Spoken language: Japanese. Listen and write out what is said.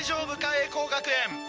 栄光学園。